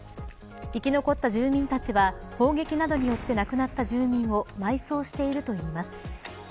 生き残った住民たちは砲撃などによって亡くなった住民を埋葬しているといいます。